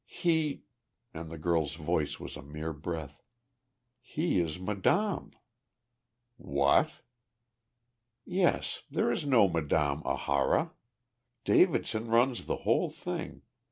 "He" and the girl's voice was a mere breath "he is madame!" "What?" "Yes, there is no Madame Ahara. Davidson runs the whole thing.